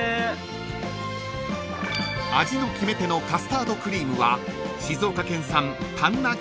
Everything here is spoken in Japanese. ［味の決め手のカスタードクリームは静岡県産丹那牛乳を使用］